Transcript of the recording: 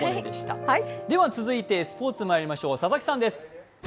続いてスポーツにまいりましょう、佐々木さんです。